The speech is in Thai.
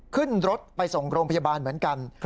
ขึ้นรถไปส่งโรงพยาบาลเหมือนกัน